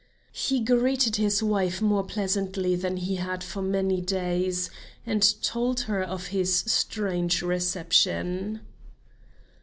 He greeted his wife more pleasantly than he had for many days, and told her of his strange reception.